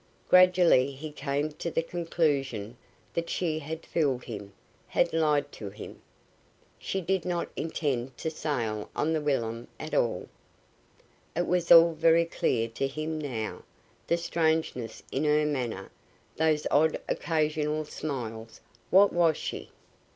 Gradually he came to the conclusion that she had fooled him, had lied to him. She did not intend to sail on the Wilhelm, at all. It was all very clear to him now, that strangeness in her manner, those odd occasional smiles What was she?